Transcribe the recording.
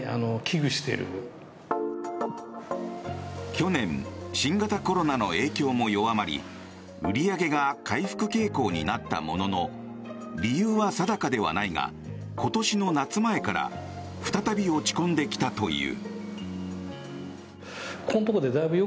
去年新型コロナの影響も弱まり売り上げが回復傾向になったものの理由は定かではないが今年の夏前から再び落ち込んできたという。